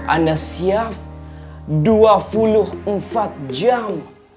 anas siap dua puluh empat jam